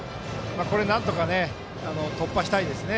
これなんとか突破したいですね。